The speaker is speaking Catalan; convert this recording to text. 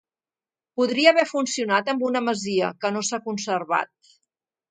Podria haver funcionat amb una masia, que no s’ha conservat.